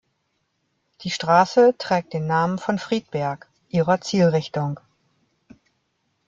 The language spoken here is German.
Die Straße trägt den Namen von Friedberg, ihrer Zielrichtung.